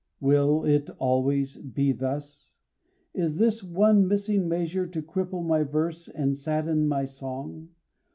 Will it always be thus? Is this one missing measure To cripple my verse and sadden my song?